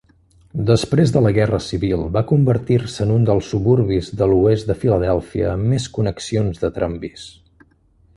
Després de la Guerra Civil, va convertir-se en un dels suburbis de l'oest de Philadelphia amb més connexions de tramvis.